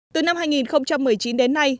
từ năm hai nghìn một mươi chín đến nay